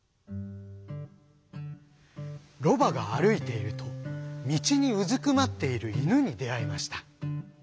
ロバがあるいているとみちにうずくまっているイヌにであいました。